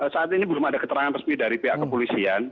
saat ini belum ada keterangan resmi dari pihak kepolisian